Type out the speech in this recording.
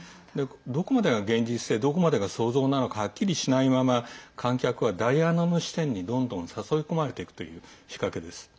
どこまでが現実でどこまでが想像なのかはっきりしないまま観客はダイアナの視点にどんどん誘い込まれていくという仕掛けです。